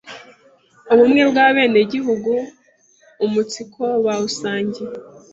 ubumwe bw’abenegihugu umunsiko bawusangiye,